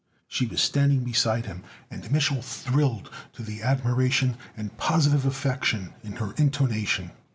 She was standing beside him, and Mich'l thrilled to the admiration and positive affection in her intonation.